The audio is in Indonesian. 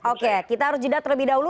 oke kita harus jeda terlebih dahulu